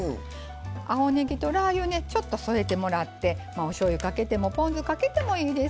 青ねぎとラー油ねちょっと添えてもらっておしょうゆかけてもポン酢かけてもいいです。